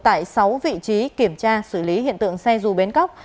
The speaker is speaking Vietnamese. tại sáu vị trí kiểm tra xử lý hiện tượng xe dù bến cóc